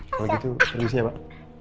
kalau gitu terima kasih pak